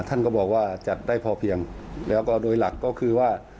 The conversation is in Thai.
ท่านก็บอกว่าจัดได้พอเพียงแล้วก็โดยหลักก็คือว่า